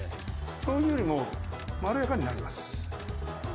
醤油よりもまろやかになります